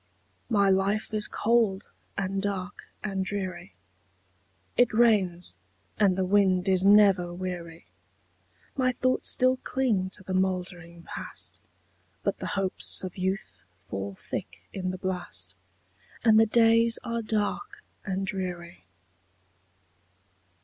My life is cold, and dark, and dreary; It rains, and the wind is never weary; My thoughts still cling to the mouldering Past, But the hopes of youth fall thick in the blast, And the days are dark and dreary.